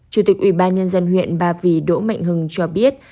chủ tịch ủy ban nhân dân huyện ba vì đỗ mạnh hưng cho biết